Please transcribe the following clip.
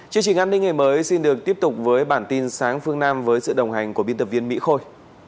chương trình an ninh ngày mới xin được tiếp tục với bản tin sáng phương nam với sự đồng hành của biên tập viên mỹ khôi